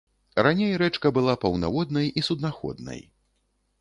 Раней рэчка была паўнаводнай і суднаходнай.